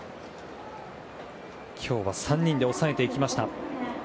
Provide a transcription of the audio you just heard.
今日は３人で抑えていきました。